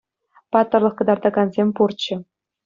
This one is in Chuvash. Паттӑрлӑх кӑтартакансем пурччӗ.